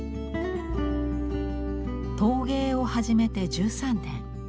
陶芸を始めて１３年。